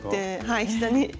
はい膝に。